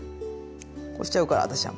こうしちゃうから私は。